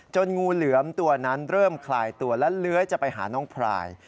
งูเหลือมตัวนั้นเริ่มคลายตัวและเลื้อยจะไปหาน้องพลาย